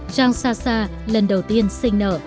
rang xa xa lần đầu tiên sinh nở